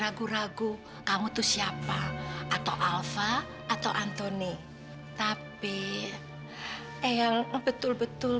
ya mungkin aja terry bener